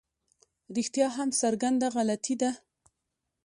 رښتیا هم څرګنده غلطي ده.